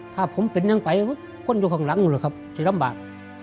ถ้าผมเป็นยังไปคนอยู่ข้างหลังหรือครับจะลำบาก